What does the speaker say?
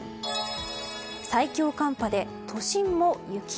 最強寒波で都心も雪。